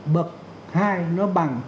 bậc hai nó bằng chín mươi năm